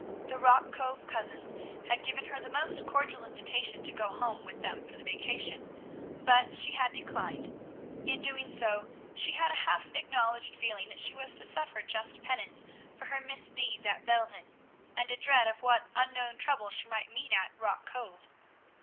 The Rock Cove cousins had given her the most cordial invitation to go home with them for the vacation, but she had declined. In doing so, she had a half acknowledged feeling that she was to suffer just penance for her misdeeds at Belden, and a dread of what unknown trouble she might meet at Rock Cove.